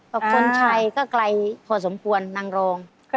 ประคมคนไทยก็ไกลพอสมควรนางลอง